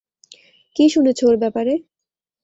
কী শুনেছ ওর ব্যাপারে?